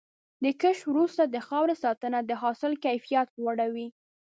د کښت وروسته د خاورې ساتنه د حاصل کیفیت لوړوي.